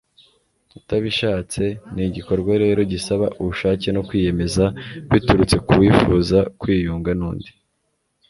utabishatse. ni igikorwa rero gisaba ubushake no kwiyemeza biturutse ku wifuza kwiyunga n'undi